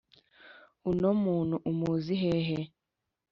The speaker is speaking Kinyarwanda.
uno muntu umuzi hehe ?